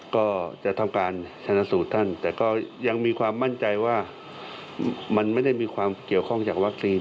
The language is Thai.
ก็จะทำการชนะสูตรท่านแต่ก็ยังมีความมั่นใจว่ามันไม่ได้มีความเกี่ยวข้องจากวัคซีน